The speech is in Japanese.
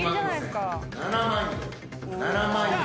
７万円。